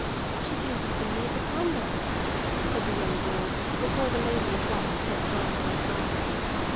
"She came to see me at the convent," said the young girl before the lady addressed had time to reply.